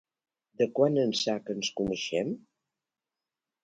De quan ençà que ens coneixem?